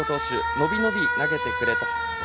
伸び伸び投げてくれたと。